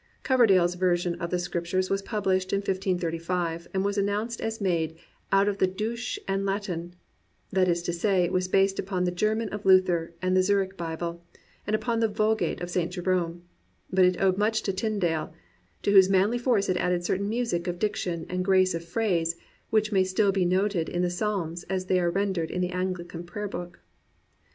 Coverdale*s ver sion of the Scriptures was pubhshed in 1535, and was announced as made "out of Douche and Latyn"; that is to say, it was based upon the German of Luther and the Zurich Bible, and upon the Vulgate of St. Jerome; but it owed much to Tindale, t© whose manly force it added a certain music of dic tion and grace of phrase which may still be noted in the Psalms as they are rendered in the Anglican Prayer Book.